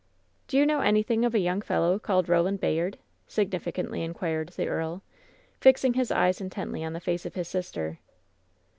"Do you know anything of a young fellow called Ro land Bayard?" significantly inquired the earl, fixing his eyes intently on the face of his sister.